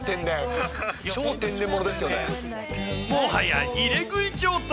超天然、もはや入れ食い状態。